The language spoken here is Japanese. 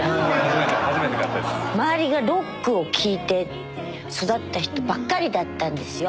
周りがロックを聴いて育った人ばっかりだったんですよ。